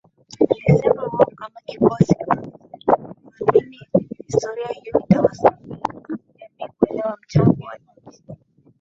Amesema wao kama kikosi Kwanza wanaamini historia hiyo itasaidia jamii kuelewa mchango wa nchi